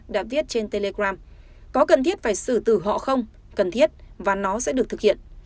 đã viết trên telegram có cần thiết phải xử từ họ không cần thiết và nó sẽ được thực hiện